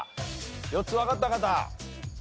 ４つわかった方。